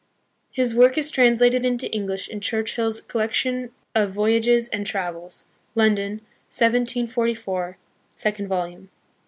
His work is translated into English in Churchill's Collection of Voyages and Trav els, London, 1744, second volume.